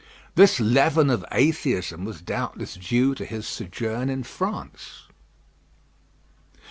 This leaven of atheism was doubtless due to his sojourn in France.